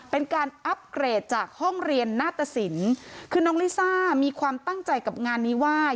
เป็นการอัพเกรดจากห้องเรียนนาตสินคือน้องลิซ่ามีความตั้งใจกับงานนี้ว่า